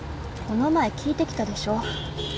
この前聞いてきたでしょ？